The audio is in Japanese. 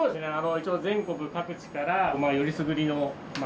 一応全国各地からよりすぐりの果物を。